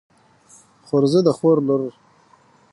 خورزه د خور لور.